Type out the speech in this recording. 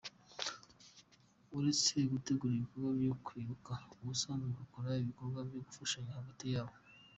Uretse gutegura ibikorwa byo kwibuka, basanzwe bakora ibikorwa byo gufashanya hagati yabo.